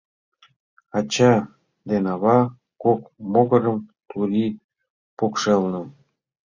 Ача ден ава — кок могырым, Турий — покшелне.